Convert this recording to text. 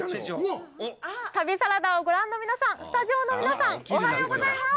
旅サラダをご覧の皆さん、スタジオの皆さん、おはようございます。